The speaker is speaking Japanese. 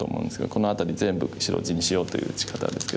この辺り全部白地にしようという打ち方ですけど。